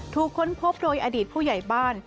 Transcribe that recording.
ค้นพบโดยอดีตผู้ใหญ่บ้าน